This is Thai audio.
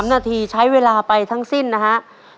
นาทีใช้เวลาไปทั้งสิ้นนะฮะ